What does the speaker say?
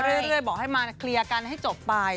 เรื่อยบอกให้มาเคลียร์กันให้จบไป